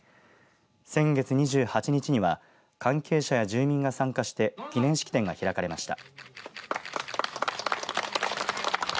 先月２８日には関係者や住民が参加して記念式典が開かれました。